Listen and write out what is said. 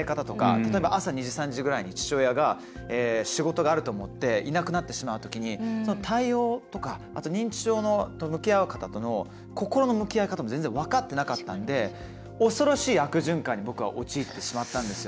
例えば朝２時、３時ぐらいに父親が仕事があると思っていなくなってしまったときに対応とか認知症と向き合う方との心の向き合い方も全然分かってなかったので恐ろしい悪循環に僕は陥ってしまったんですよ。